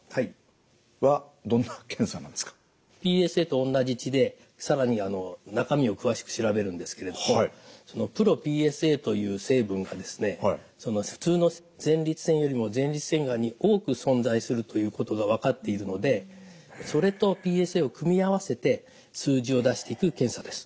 ＰＳＡと同じ血で更に中身を詳しく調べるんですけれどもｐｒｏＰＳＡという成分がですね普通の前立腺よりも前立腺がんに多く存在するということが分かっているのでそれとＰＳＡを組み合わせて数字を出していく検査です。